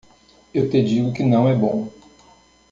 Eu te digo que não é bom.